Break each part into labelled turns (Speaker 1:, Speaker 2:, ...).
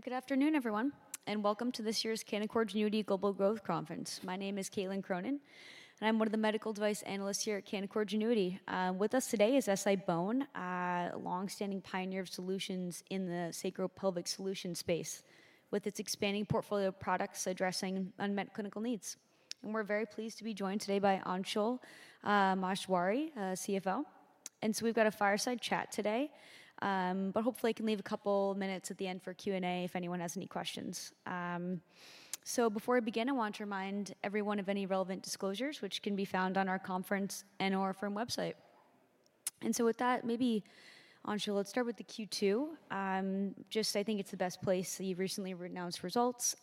Speaker 1: Good afternoon, everyone, and welcome to this year's Canaccord Genuity Global Growth Conference. My name is Caitlin Cronin, and I'm one of the medical device analysts here at Canaccord Genuity. With us today is SI-BONE, a long-standing pioneer of solutions in the sacropelvic solution space, with its expanding portfolio of products addressing unmet clinical needs. We're very pleased to be joined today by Anshul Maheshwari, CFO. So we've got a fireside chat today. But hopefully I can leave a couple minutes at the end for Q&A if anyone has any questions. So before I begin, I want to remind everyone of any relevant disclosures, which can be found on our conference and/or firm website. With that, maybe Anshul, let's start with the Q2. Just I think it's the best place, the recently announced results.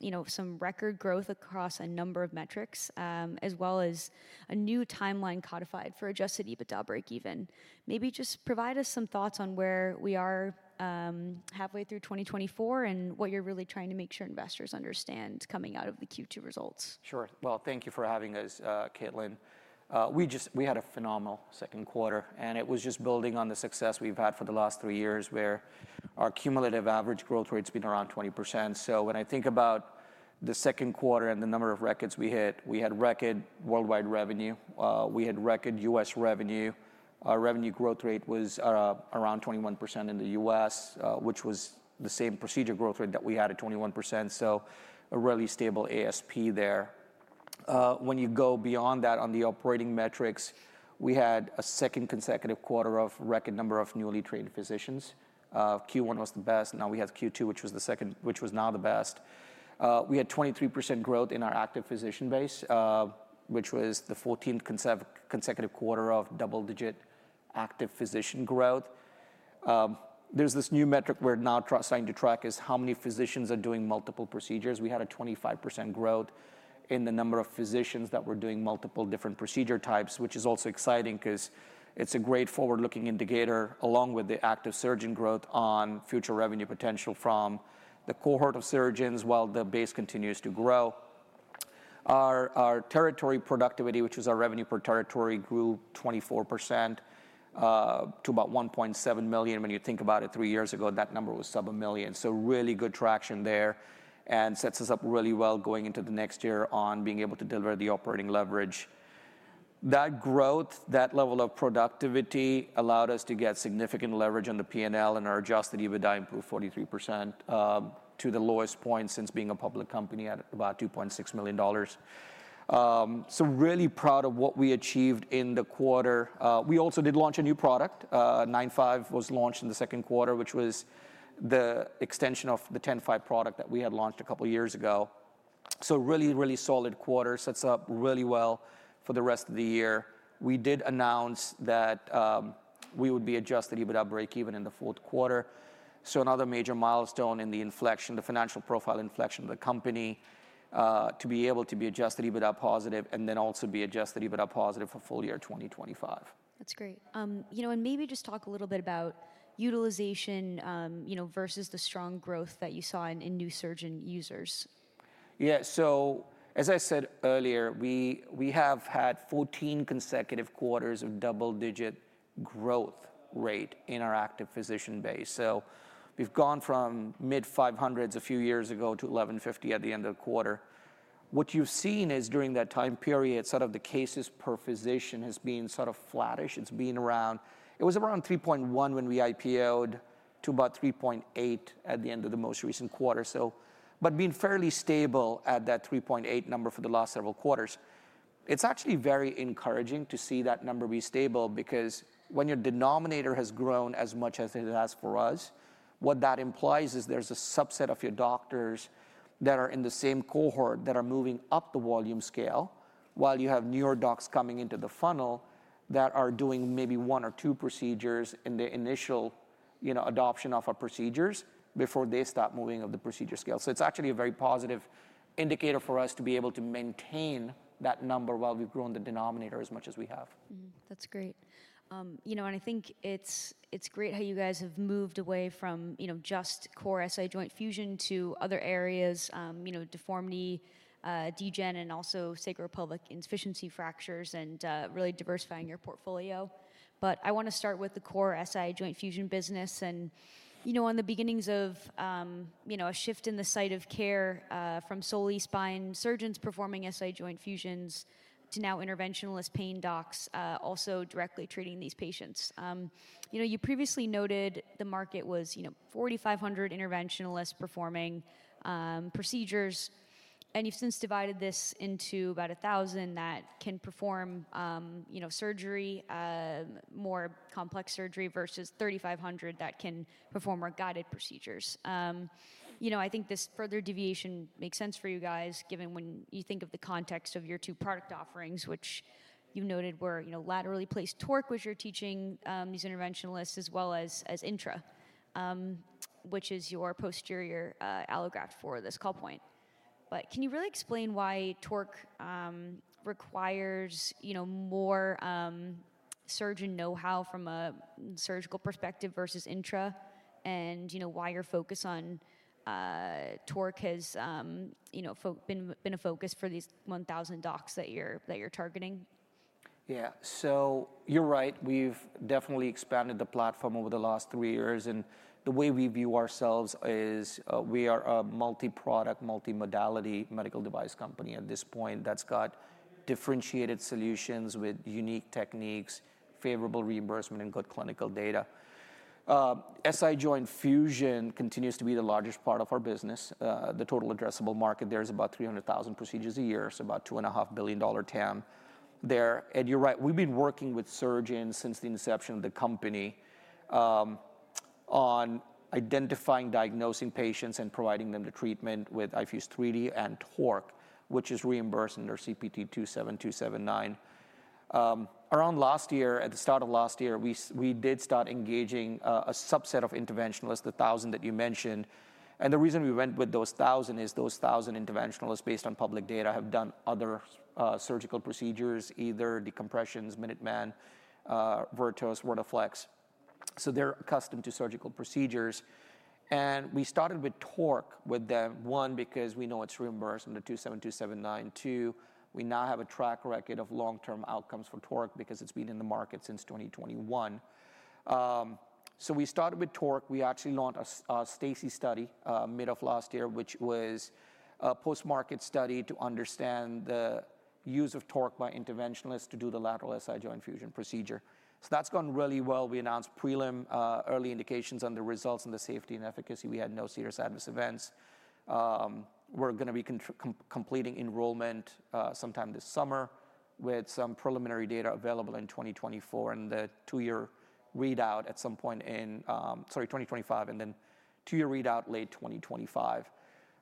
Speaker 1: You know, some record growth across a number of metrics, as well as a new timeline codified for Adjusted EBITDA breakeven. Maybe just provide us some thoughts on where we are, halfway through 2024, and what you're really trying to make sure investors understand coming out of the Q2 results.
Speaker 2: Sure. Well, thank you for having us, Caitlin. We just had a phenomenal second quarter, and it was just building on the success we've had for the last three years, where our cumulative average growth rate's been around 20%. So when I think about the second quarter and the number of records we hit, we had record worldwide revenue. We had record U.S. revenue. Our revenue growth rate was around 21% in the U.S., which was the same procedure growth rate that we had at 21%, so a really stable ASP there. When you go beyond that on the operating metrics, we had a second consecutive quarter of record number of newly trained physicians. Q1 was the best; now we have Q2, which was now the best. We had 23% growth in our active physician base, which was the fourteenth consecutive quarter of double-digit active physician growth. There's this new metric we're now starting to track, is how many physicians are doing multiple procedures. We had a 25% growth in the number of physicians that were doing multiple different procedure types, which is also exciting 'cause it's a great forward-looking indicator, along with the active surgeon growth on future revenue potential from the cohort of surgeons, while the base continues to grow. Our territory productivity, which was our revenue per territory, grew 24%, to about $1.7 million. When you think about it, three years ago, that number was sub-million. So really good traction there, and sets us up really well going into the next year on being able to deliver the operating leverage. That growth, that level of productivity, allowed us to get significant leverage on the P&L and our adjusted EBITDA improved 43%, to the lowest point since being a public company at about $2.6 million. So really proud of what we achieved in the quarter. We also did launch a new product. 9.5 was launched in the second quarter, which was the extension of the 10.5 product that we had launched a couple of years ago. So really, really solid quarter. Sets up really well for the rest of the year. We did announce that, we would be adjusted EBITDA breakeven in the fourth quarter, so another major milestone in the inflection, the financial profile inflection of the company, to be able to be adjusted EBITDA positive and then also be adjusted EBITDA positive for full year 2025.
Speaker 1: That's great. You know, and maybe just talk a little bit about utilization, you know, versus the strong growth that you saw in new surgeon users.
Speaker 2: Yeah. So as I said earlier, we have had 14 consecutive quarters of double-digit growth rate in our active physician base. So we've gone from mid-500s a few years ago to 1,150 at the end of the quarter. What you've seen is, during that time period, sort of the cases per physician has been sort of flattish. It's been around, it was around 3.1 when we IPO'd, to about 3.8 at the end of the most recent quarter, so, but been fairly stable at that 3.8 number for the last several quarters. It's actually very encouraging to see that number be stable, because when your denominator has grown as much as it has for us, what that implies is there's a subset of your doctors that are in the same cohort, that are moving up the volume scale, while you have newer docs coming into the funnel that are doing maybe one or two procedures in the initial, you know, adoption of our procedures before they start moving up the procedure scale. So it's actually a very positive indicator for us to be able to maintain that number while we've grown the denominator as much as we have.
Speaker 1: That's great. You know, and I think it's, it's great how you guys have moved away from, you know, just core SI joint fusion to other areas, you know, deformity, degen, and also sacral insufficiency fractures, and really diversifying your portfolio. But I wanna start with the core SI joint fusion business and, you know, on the beginnings of, you know, a shift in the site of care, from solely spine surgeons performing SI joint fusions to now interventionalist pain docs, also directly treating these patients. You know, you previously noted the market was, you know, 4,500 interventionalists performing procedures, and you've since divided this into about 1,000 that can perform, you know, surgery, more complex surgery, versus 3,500 that can perform more guided procedures. You know, I think this further deviation makes sense for you guys, given when you think of the context of your two product offerings, which you noted were, you know, laterally placed TORQ, which you're teaching these interventionalists, as well as INTRA, which is your posterior allograft for this call point. But can you really explain why TORQ requires, you know, more surgeon know-how from a surgical perspective versus INTRA? And you know, why your focus on TORQ has, you know, been a focus for these 1,000 docs that you're targeting?
Speaker 2: Yeah, so you're right, we've definitely expanded the platform over the last three years, and the way we view ourselves is, we are a multi-product, multi-modality medical device company at this point, that's got differentiated solutions with unique techniques, favorable reimbursement, and good clinical data. SI joint fusion continues to be the largest part of our business. The total addressable market there is about 300,000 procedures a year, so about $2.5 billion TAM there. And you're right, we've been working with surgeons since the inception of the company, on identifying, diagnosing patients, and providing them the treatment with iFuse 3D and TORQ, which is reimbursed under CPT 27279. Around last year, at the start of last year, we did start engaging, a subset of interventionalists, the 1,000 that you mentioned. The reason we went with those 1,000 is those 1,000 interventionalists, based on public data, have done other surgical procedures, either decompressions, Minuteman, Vertos, Vertiflex. So they're accustomed to surgical procedures. We started with TORQ with them, one, because we27279. two, we now have a track record of long-term outcomes for TORQ because it's been in the market since 2021. So we started with TORQ. We actually launched a STACI study mid of last year, which was a post-market study to understand the use of TORQ by interventionalists to do the lateral SI joint fusion procedure. So that's gone really well. We announced preliminary early indications on the results and the safety and efficacy. We had no serious adverse events. We're gonna be completing enrollment sometime this summer, with some preliminary data available in 2024, and the two-year readout at some point in 2025, and then two-year readout late 2025.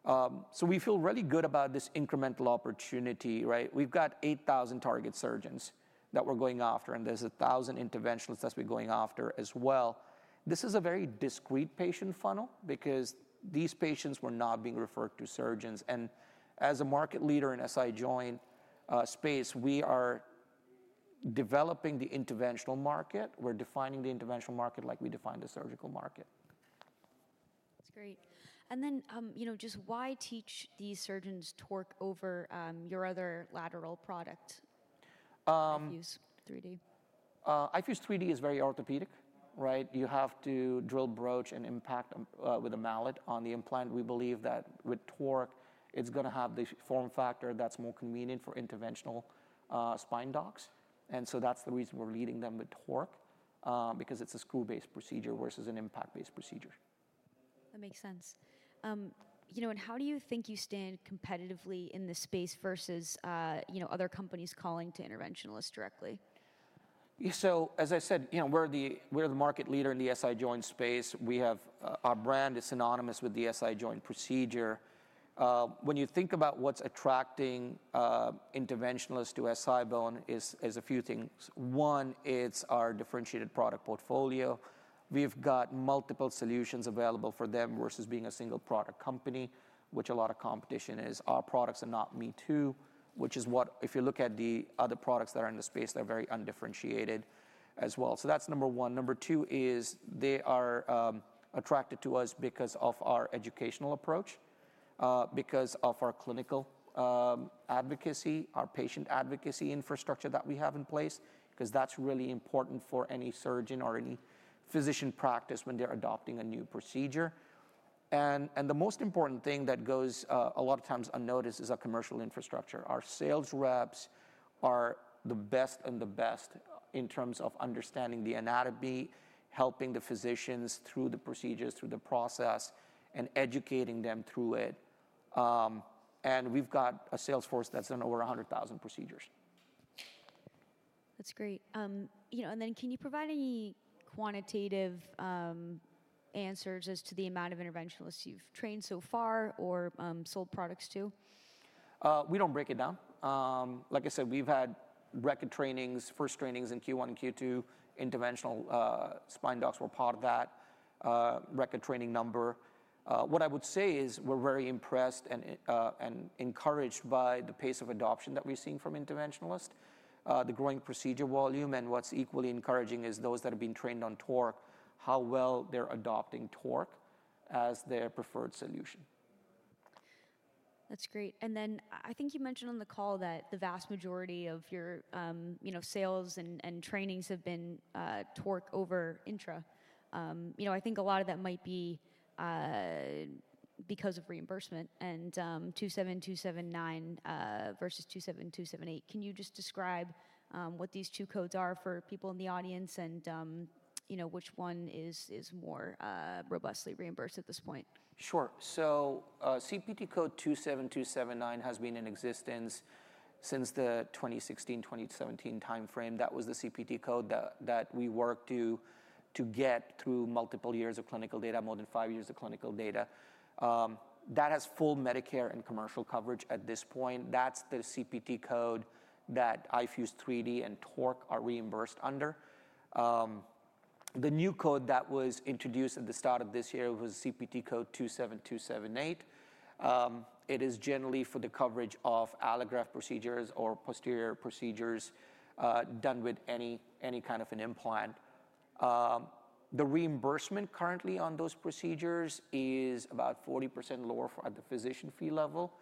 Speaker 2: So we feel really good about this incremental opportunity, right? We've got 8,000 target surgeons that we're going after, and there's 1,000 interventionalists that we're going after as well. This is a very discrete patient funnel because these patients were not being referred to surgeons, and as a market leader in SI joint space, we are developing the interventional market. We're defining the interventional market like we defined the surgical market.
Speaker 1: That's great. And then, you know, just why teach these surgeons TORQ over your other lateral product-
Speaker 2: iFuse 3D is very orthopedic, right? You have to drill, broach, and impact with a mallet on the implant. We believe that with TORQ, it's gonna have the form factor that's more convenient for interventional spine docs. And so that's the reason we're leading them with TORQ because it's a screw-based procedure versus an impact-based procedure.
Speaker 1: That makes sense. You know, and how do you think you stand competitively in this space versus, you know, other companies calling to interventionalists directly?
Speaker 2: So, as I said, you know, we're the market leader in the SI joint space. We have our brand is synonymous with the SI joint procedure. When you think about what's attracting interventionalists to SI-BONE is a few things. One, it's our differentiated product portfolio. We've got multiple solutions available for them versus being a single product company, which a lot of competition is. Our products are not me too, which is what if you look at the other products that are in the space, they're very undifferentiated as well. So that's number one. Number two is they are attracted to us because of our educational approach, because of our clinical advocacy, our patient advocacy infrastructure that we have in place, 'cause that's really important for any surgeon or any physician practice when they're adopting a new procedure. The most important thing that goes a lot of times unnoticed is our commercial infrastructure. Our sales reps are the best and the best in terms of understanding the anatomy, helping the physicians through the procedures, through the process, and educating them through it. And we've got a sales force that's done over 100,000 procedures.
Speaker 1: That's great. You know, and then can you provide any quantitative answers as to the amount of interventionalists you've trained so far or sold products to?
Speaker 2: We don't break it down. Like I said, we've had record trainings, first trainings in Q1 and Q2. Interventional spine docs were part of that record training number. What I would say is we're very impressed and encouraged by the pace of adoption that we're seeing from interventionalists, the growing procedure volume, and what's equally encouraging is those that have been trained on TORQ, how well they're adopting TORQ as their preferred solution.
Speaker 1: That's great. And then I think you mentioned on the call that the vast majority of your, you know, sales and, and trainings have been, TORQ over INTRA. You know, I think a lot of that might be,27279, versus 27278. can you just describe, what these two codes are for people in the audience and, you know, which one is, is more, robustly reimbursed at this point?
Speaker 2: 27279 has been in existence since the 2016/2017 timeframe. That was the CPT code that we worked to get through multiple years of clinical data, more than five years of clinical data. That has full Medicare and commercial coverage at this point. That's the CPT code that iFuse 3D and TORQ are reimbursed under. The new code that was introduced at the start of this year was CPT code 27278. It is generally for the coverage of allograft procedures or posterior procedures done with any kind of an implant. The reimbursement currently on those procedures is about 40% lower for at the physician fee level,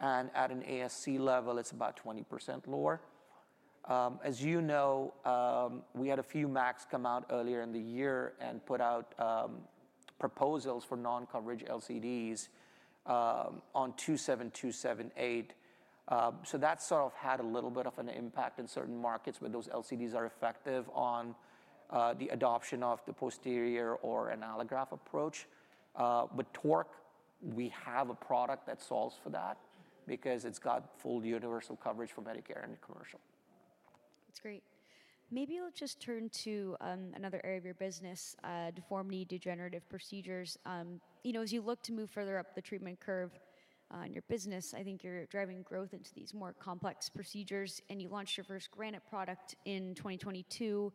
Speaker 2: and at an ASC level, it's about 20% lower. As you know, we had a few MACs come out earlier in the year and put out proposals for non-coverage LCDs on 27278. So that sort of had a little bit of an impact in certain markets, where those LCDs are effective on the adoption of the posterior or an allograft approach. With TORQ, we have a product that solves for that because it's got full universal coverage for Medicare and commercial.
Speaker 1: That's great. Maybe let's just turn to, another area of your business, deformity, degenerative procedures. You know, as you look to move further up the treatment curve, in your business, I think you're driving growth into these more complex procedures, and you launched your first Granite product in 2022.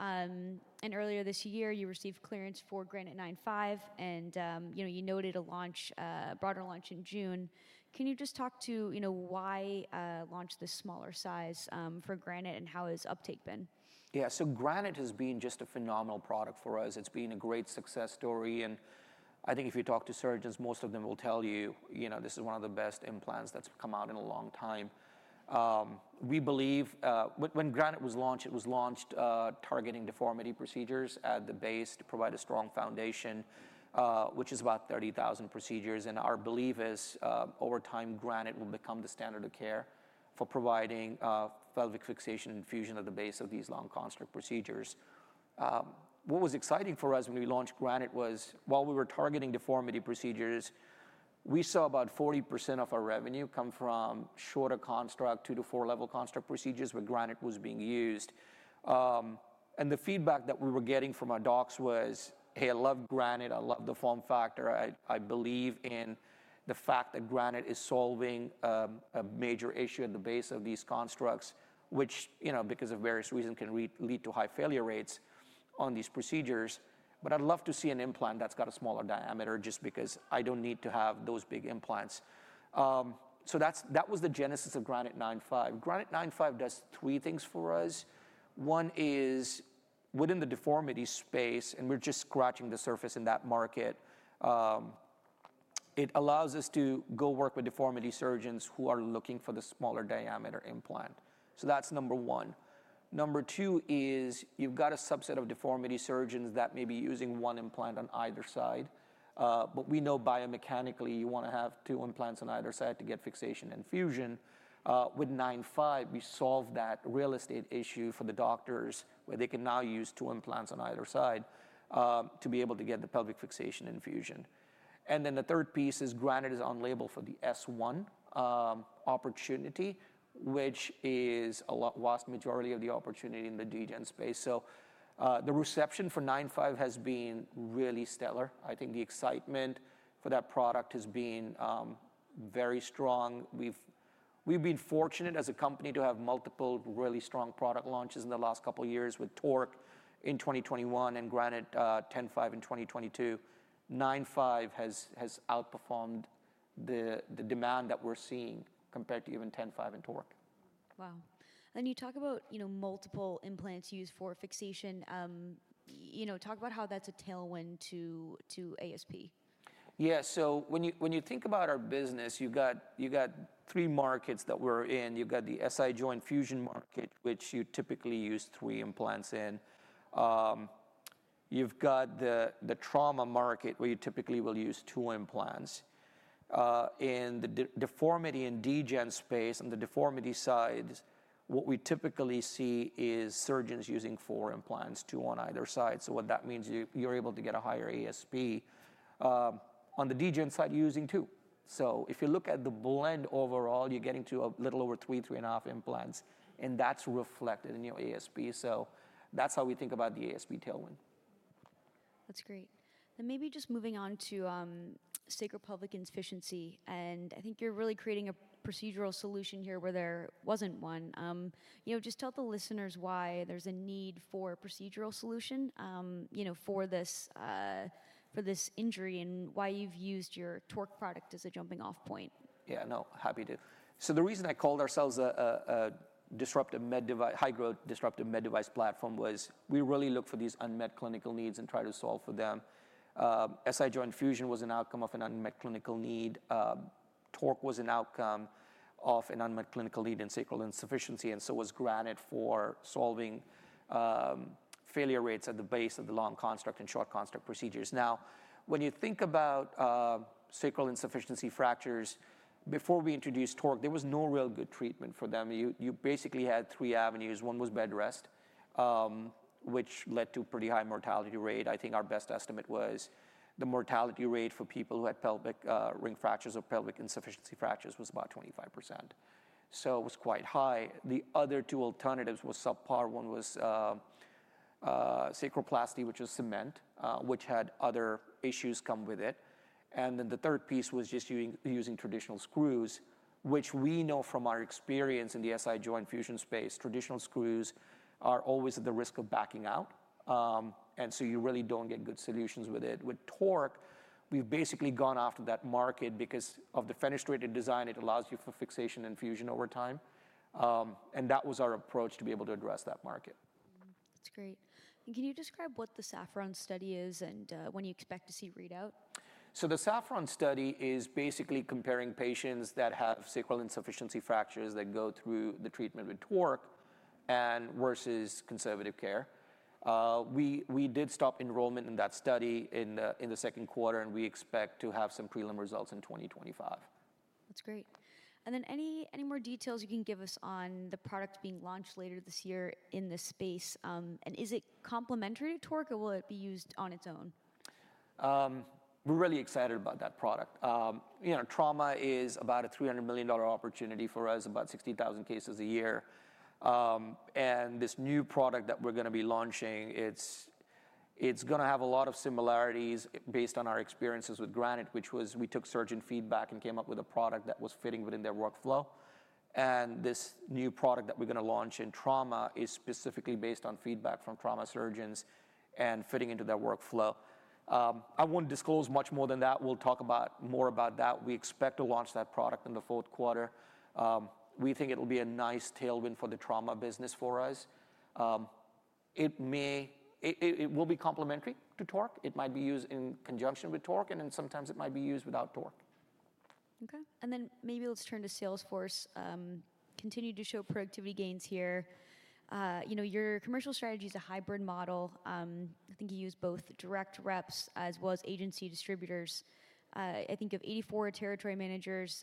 Speaker 1: And earlier this year, you received clearance for Granite 9.5, and, you know, you noted a launch, broader launch in June. Can you just talk to, you know, why, launch this smaller size, for Granite, and how has uptake been?
Speaker 2: Yeah. So Granite has been just a phenomenal product for us. It's been a great success story, and I think if you talk to surgeons, most of them will tell you, you know, this is one of the best implants that's come out in a long time. We believe... When Granite was launched, it was launched targeting deformity procedures at the base to provide a strong foundation, which is about 30,000 procedures, and our belief is, over time, Granite will become the standard of care for providing pelvic fixation and fusion of the base of these long construct procedures. What was exciting for us when we launched Granite was, while we were targeting deformity procedures, we saw about 40% of our revenue come from shorter construct, two- to four-level construct procedures, where Granite was being used. And the feedback that we were getting from our docs was: "Hey, I love Granite. I love the form factor. I believe in the fact that Granite is solving a major issue at the base of these constructs," which, you know, because of various reasons, can really lead to high failure rates on these procedures. "But I'd love to see an implant that's got a smaller diameter, just because I don't need to have those big implants." So that was the genesis of Granite 9.5. Granite 9.5 does three things for us. One is, within the deformity space, and we're just scratching the surface in that market, it allows us to go work with deformity surgeons who are looking for the smaller diameter implant. So that's number one. Number two is you've got a subset of deformity surgeons that may be using one implant on either side, but we know biomechanically, you wanna have two implants on either side to get fixation and fusion. With 9.5, we solve that real estate issue for the doctors, where they can now use two implants on either side, to be able to get the pelvic fixation and fusion. And then the third piece is Granite is on label for the S1, opportunity, which is a lot vast majority of the opportunity in the Degen space. So, the reception for 9.5 has been really stellar. I think the excitement for that product has been, very strong. We've been fortunate as a company to have multiple really strong product launches in the last couple of years with TORQ in 2021 and Granite 10.5 in 2022. 9.5 has outperformed the demand that we're seeing compared to even 10.5 and TORQ.
Speaker 1: Wow! You talk about, you know, multiple implants used for fixation. You know, talk about how that's a tailwind to ASP.
Speaker 2: Yeah. So when you, when you think about our business, you've got, you've got three markets that we're in. You've got the SI joint fusion market, which you typically use three implants in. You've got the, the trauma market, where you typically will use two implants. In the deformity and Degen space, on the deformity side, what we typically see is surgeons using four implants, two on either side. So what that means, you, you're able to get a higher ASP. On the Degen side, you're using two. So if you look at the blend overall, you're getting to a little over three, 3.5 implants, and that's reflected in your ASP. So that's how we think about the ASP tailwind.
Speaker 1: That's great. And maybe just moving on to sacral insufficiency, and I think you're really creating a procedural solution here where there wasn't one. You know, just tell the listeners why there's a need for a procedural solution, you know, for this, for this injury and why you've used your TORQ product as a jumping-off point.
Speaker 2: Yeah, no, happy to. So the reason I called ourselves a disruptive med device - high-growth disruptive med device platform, was we really look for these unmet clinical needs and try to solve for them. SI joint fusion was an outcome of an unmet clinical need. TORQ was an outcome of an unmet clinical need in sacral insufficiency, and so was Granite for solving failure rates at the base of the long construct and short construct procedures. Now, when you think about sacral insufficiency fractures, before we introduced TORQ, there was no real good treatment for them. You basically had three avenues. One was bed rest, which led to pretty high mortality rate. I think our best estimate was the mortality rate for people who had pelvic ring fractures or pelvic insufficiency fractures was about 25%, so it was quite high. The other two alternatives were subpar. One was sacroplasty, which was cement, which had other issues come with it. And then the third piece was just using traditional screws, which we know from our experience in the SI joint fusion space, traditional screws are always at the risk of backing out, and so you really don't get good solutions with it. With TORQ, we've basically gone after that market because of the fenestrated design, it allows you for fixation and fusion over time. And that was our approach to be able to address that market.
Speaker 1: That's great. And can you describe what the SAFFRON study is, and when you expect to see readout?
Speaker 2: So the SAFFRON study is basically comparing patients that have sacral insufficiency fractures that go through the treatment with TORQ and versus conservative care. We did stop enrollment in that study in the second quarter, and we expect to have some prelim results in 2025.
Speaker 1: That's great. And then any more details you can give us on the product being launched later this year in this space? And is it complementary to TORQ, or will it be used on its own?
Speaker 2: You know, trauma is about a $300 million opportunity for us, about 60,000 cases a year. And this new product that we're gonna be launching, it's gonna have a lot of similarities based on our experiences with Granite, which was we took surgeon feedback and came up with a product that was fitting within their workflow. And this new product that we're gonna launch in trauma is specifically based on feedback from trauma surgeons and fitting into their workflow. I won't disclose much more than that. We'll talk about more about that. We expect to launch that product in the fourth quarter. We think it'll be a nice tailwind for the trauma business for us. It will be complementary to TORQ. It might be used in conjunction with TORQ, and then sometimes it might be used without TORQ.
Speaker 1: Okay. Then maybe let's turn to sales force. Continued to show productivity gains here. You know, your commercial strategy is a hybrid model. I think you use both direct reps as well as agency distributors. I think you have 84 territory managers,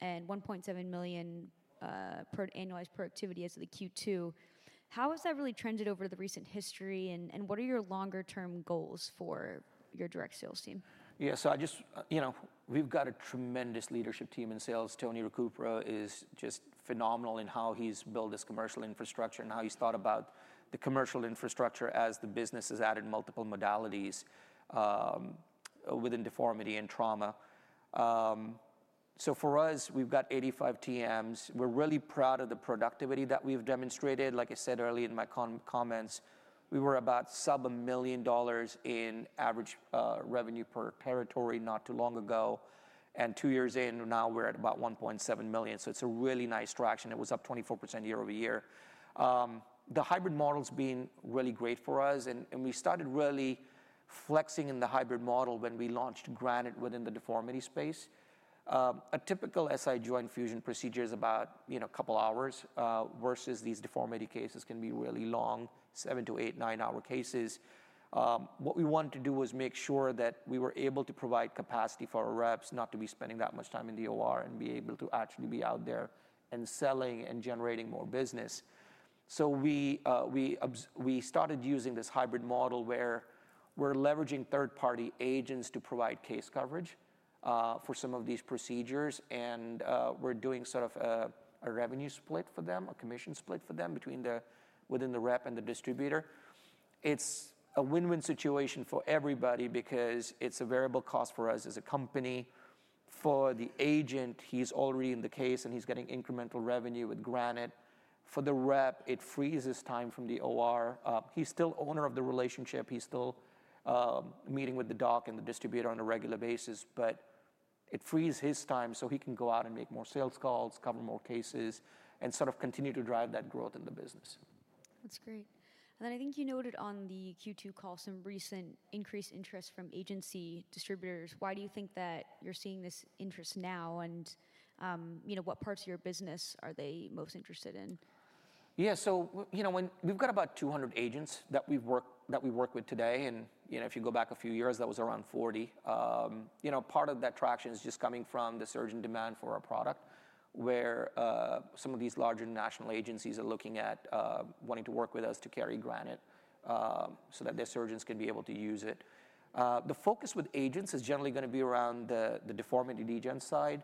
Speaker 1: and $1.7 million per-annualized productivity as of the Q2. How has that really trended over the recent history, and what are your longer-term goals for your direct sales team?
Speaker 2: Yeah. So you know, we've got a tremendous leadership team in sales. Tony Recupero is just phenomenal in how he's built this commercial infrastructure and how he's thought about the commercial infrastructure as the business has added multiple modalities within deformity and trauma. So for us, we've got 85 TMs. We're really proud of the productivity that we've demonstrated. Like I said earlier in my comments, we were about sub-$1 million in average revenue per territory not too long ago, and two years in, now we're at about $1.7 million. So it's a really nice traction. It was up 24% year-over-year. The hybrid model's been really great for us, and we started really flexing in the hybrid model when we launched Granite within the deformity space. A typical SI joint fusion procedure is about, you know, a couple hours versus these deformity cases can be really long, seven to eight, nine-hour cases. What we wanted to do was make sure that we were able to provide capacity for our reps, not to be spending that much time in the OR, and be able to actually be out there and selling and generating more business. So we started using this hybrid model, where we're leveraging third-party agents to provide case coverage for some of these procedures, and we're doing sort of a revenue split for them, a commission split for them between the rep and the distributor. It's a win-win situation for everybody because it's a variable cost for us as a company. For the agent, he's already in the case, and he's getting incremental revenue with Granite. For the rep, it frees his time from the OR. He's still owner of the relationship. He's still meeting with the doc and the distributor on a regular basis, but it frees his time so he can go out and make more sales calls, cover more cases, and sort of continue to drive that growth in the business.
Speaker 1: That's great. And then I think you noted on the Q2 call some recent increased interest from agency distributors. Why do you think that you're seeing this interest now, and, you know, what parts of your business are they most interested in?
Speaker 2: Yeah, so you know, we've got about 200 agents that we work with today, and, you know, if you go back a few years, that was around 40. You know, part of that traction is just coming from the surgeon demand for our product, where some of these larger national agencies are looking at wanting to work with us to carry Granite, so that their surgeons can be able to use it. The focus with agents is generally gonna be around the deformity degen side.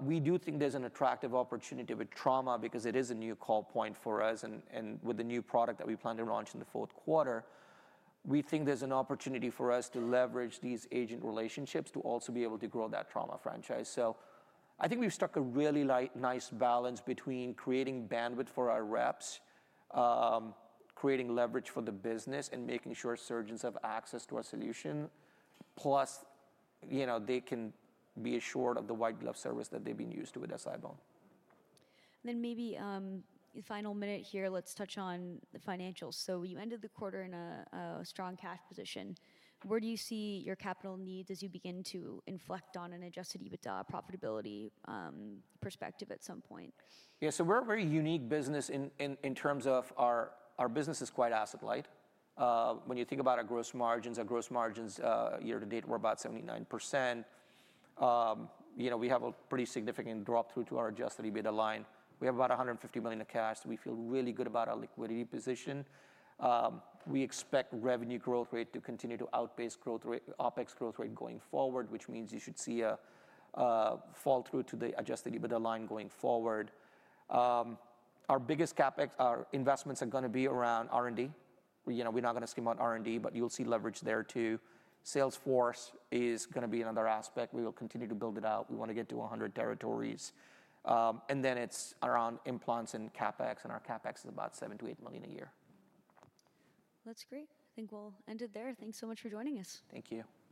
Speaker 2: We do think there's an attractive opportunity with trauma because it is a new call point for us, and with the new product that we plan to launch in the fourth quarter, we think there's an opportunity for us to leverage these agent relationships to also be able to grow that trauma franchise. So I think we've struck a really light, nice balance between creating bandwidth for our reps, creating leverage for the business, and making sure surgeons have access to our solution. Plus, you know, they can be assured of the white glove service that they've been used to with SI-BONE.
Speaker 1: Then maybe, final minute here, let's touch on the financials. So you ended the quarter in a strong cash position. Where do you see your capital needs as you begin to inflect on an Adjusted EBITDA profitability perspective at some point?
Speaker 2: Yeah. So we're a very unique business in terms of our... Our business is quite asset light. When you think about our gross margins, our gross margins year to date were about 79%. You know, we have a pretty significant drop-through to our adjusted EBITDA line. We have about $150 million in cash. We feel really good about our liquidity position. We expect revenue growth rate to continue to outpace growth rate—OPEX growth rate going forward, which means you should see a fall through to the adjusted EBITDA line going forward. Our biggest CapEx, our investments are gonna be around R&D. You know, we're not gonna skim on R&D, but you'll see leverage there, too. Salesforce is gonna be another aspect. We will continue to build it out. We wanna get to 100 territories. And then it's around implants and CapEx, and our CapEx is about $7 million-$8 million a year.
Speaker 1: That's great. I think we'll end it there. Thanks so much for joining us.
Speaker 2: Thank you.